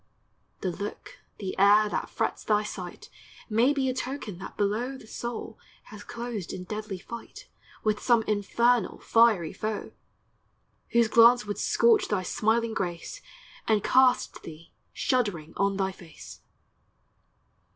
The look, the air, that frets thy sight May be a token that below The soul has closed in deadly fight With some infernal fiery foe, Whose glance would scorch thy smiling grace And cast thee shuddering on thy face!